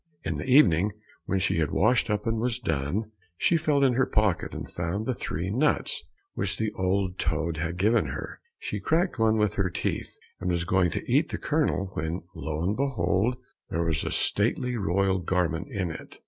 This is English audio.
In the evening, when she had washed up and was done, she felt in her pocket and found the three nuts which the old toad had given her. She cracked one with her teeth, and was going to eat the kernel when lo and behold there was a stately royal garment in it!